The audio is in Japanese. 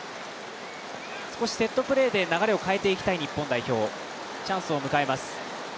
少しセットプレーで流れを変えていきたい日本代表、チャンスを迎えます。